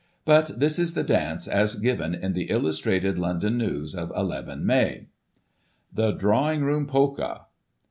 But this is the dance as given in the Illustrated London News of 1 1 May :" THE DRAWING ROOM POLKA.